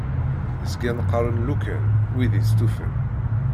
Zgan qqaṛen "lukan", wid istufan.